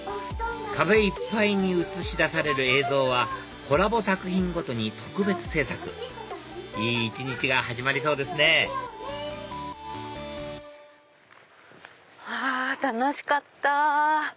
壁いっぱいに映し出される映像はコラボ作品ごとに特別制作いい一日が始まりそうですね楽しかった！